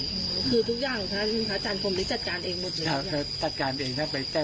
อ๋อคือแบบคุณอาจารย์ควรจัดการทั้งตราใช่ไหมครับ